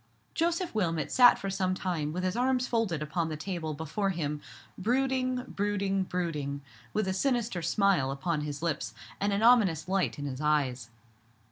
Joseph Wilmot sat for some time with his arms folded upon the table before him, brooding, brooding, brooding; with a sinister smile upon his lips, and an ominous light in his eyes.